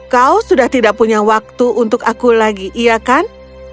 kau sudah tidak punya waktu untuk aku lagi iya kan